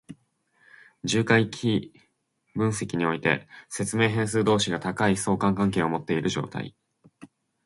重回帰分析において、説明変数同士が高い相関関係を持っている状態。